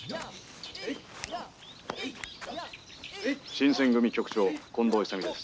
「新選組局長近藤勇です」。